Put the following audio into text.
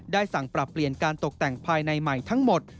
สั่งปรับเปลี่ยนการตกแต่งภายในใหม่ทั้งหมด